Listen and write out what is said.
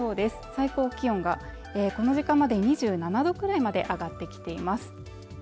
最高気温がこの時間まだ２７度くらいまで上がってきています